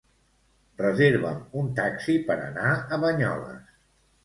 Reserva'm un taxi per anar a Banyoles.